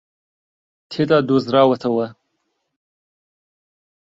تێدا دۆزراوەتەوە